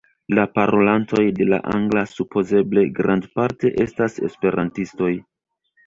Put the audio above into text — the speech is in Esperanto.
La parolantoj de la angla supozeble grandparte estas esperantistoj.